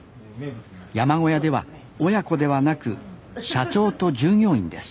山小屋では親子ではなく社長と従業員です